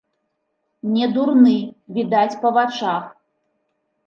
Не дурны, відаць па вачах.